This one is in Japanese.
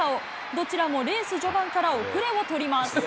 どちらもレース序盤から後れを取ります。